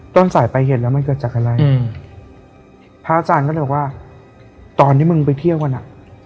ต้นสายไปเหตุแล้วมันเกิดจากอะไรอืมพระอาจารย์ก็เลยบอกว่าตอนที่มึงไปเที่ยวกันอ่ะ